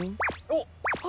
おっ！